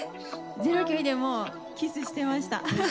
ゼロ距離でキスしてました。